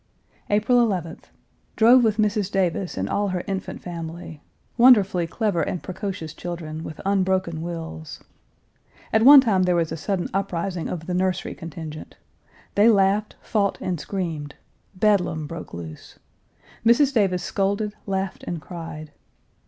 April 11th. Drove with Mrs. Davis and all her infant family; wonderfully clever and precocious children, with unbroken wills. At one time there was a sudden uprising of the nursery contingent. They laughed, fought, and screamed. Bedlam broke loose. Mrs. Davis scolded, laughed, and cried.